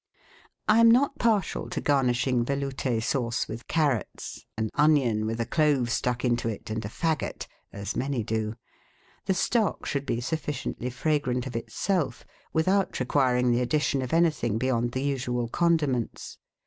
I am not partial to garnishing Velout^ Sauce with carrots, an onion with a clove stuck into it, and a faggot, as many do. The stock should be sufficiently fragrant of itself, without requiring the addition of anything beyond the usual condiments.